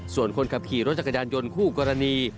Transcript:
ส่วนคนขับขี่รถจักรยานยนต์คู่กรณี